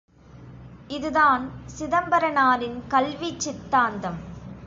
இதுதான், சிதம்பரனாரின் கல்விச் சித்தாந்தம்.